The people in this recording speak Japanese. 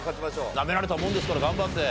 なめられたもんですから頑張って。